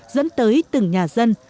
dẫn tới từng nhà dân